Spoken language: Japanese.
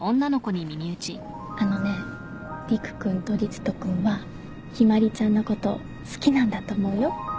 あのねリク君とリツト君はヒマリちゃんのこと好きなんだと思うよ。